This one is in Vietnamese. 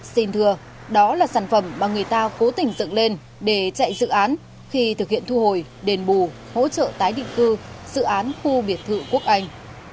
xin thưa đó là sản phẩm mà người ta cố tình dựng lên để chạy dự án khi thực hiện thu hồi đền bù hỗ trợ tái định cư dự án khu biệt thự quốc anh